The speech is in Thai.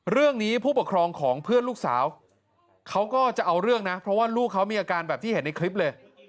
ผู้ปกครองของเพื่อนลูกสาวเขาก็จะเอาเรื่องนะเพราะว่าลูกเขามีอาการแบบที่เห็นในคลิปเลย